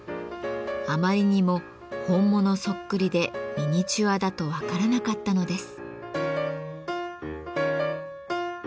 あまりにも本物そっくりでミニチュアだと分からなかったのです。